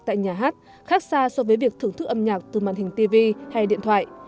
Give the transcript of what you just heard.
tại nhà hát khác xa so với việc thưởng thức âm nhạc từ màn hình tv hay điện thoại